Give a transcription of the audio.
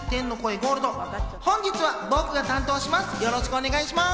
ゴールド、本日は僕が担当します！